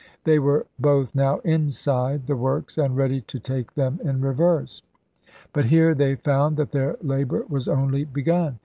They were both now inside the works and ready to take them in reverse; but here they found that their labor was only be gun.